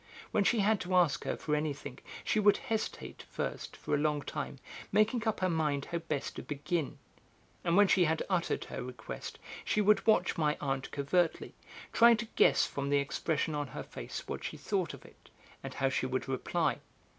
When she had to ask her for anything she would hesitate, first, for a long time, making up her mind how best to begin. And when she had uttered her request, she would watch my aunt covertly, trying to guess from the expression on her face what she thought of it, and how she would reply.